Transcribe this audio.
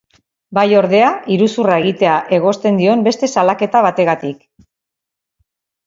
Bai ordea iruzurra egitea egozten dion beste salaketa bateagatik.